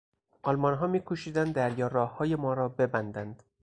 آلمانها میکوشیدند دریاراههای ما را ببندند.